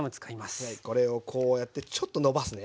これをこうやってちょっと伸ばすね。